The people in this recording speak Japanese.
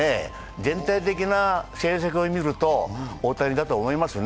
全体的な成績を見ると大谷だと思いますね。